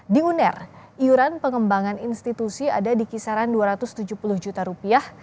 di uner iuran pengembangan institusi ada di kisaran dua ratus tujuh puluh juta rupiah